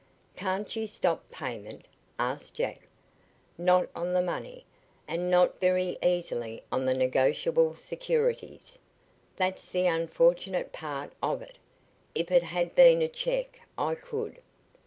"Can't you stop payment?" asked Jack. "Not on the money, and not very easily on the negotiable securities. That's the unfortunate part of it. If it had been a check I could."